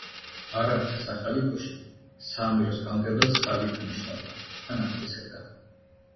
არაბთა სახალიფოში საამიროს გამგებელს ხალიფა ნიშნავდა ან ამტკიცებდა.